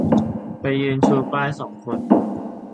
ไปยืนชูป้ายสองคน